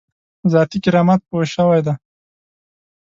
ذاتي کرامت پوه شوی دی.